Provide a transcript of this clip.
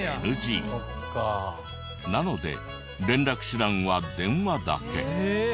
なので連絡手段は電話だけ。